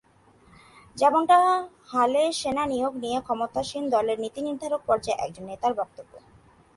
যেমনটা হালে সেনা নিয়োগ নিয়ে ক্ষমতাসীন দলের নীতিনির্ধারক পর্যায়ের একজন নেতার বক্তব্য।